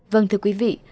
vâng thưa quý vị